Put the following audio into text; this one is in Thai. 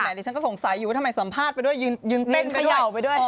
แต่ดิฉันก็สงสัยอยู่ว่าทำไมสัมภาษณ์ไปด้วยยืนเต้นเขย่าไปด้วย